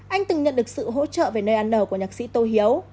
anh từng nhận được sự hỗ trợ về nơi ăn nở của nhạc sĩ tô hiếu